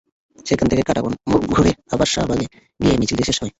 সেখান থেকে কাঁটাবন মোড় ঘুরে আবার শাহবাগে গিয়ে মিছিলটি শেষ হয়।